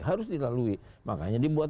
harus dilalui makanya dibuat